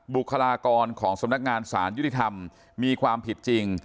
บุคลากรของสำนักงานสารยุติธรรมมีความผิดจริง